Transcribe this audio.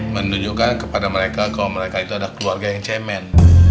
menunjukkan kepada mereka kalau mereka itu adalah keluarga yang cemen